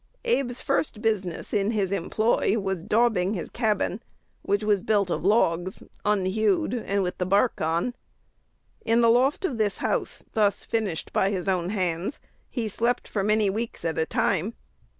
Abe's first business in his employ was daubing his cabin, which was built of logs, unhewed, and with the bark on. In the loft of this house, thus finished by his own hands, he slept for many weeks at a time.